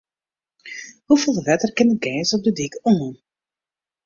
Hoefolle wetter kin it gers op de dyk oan?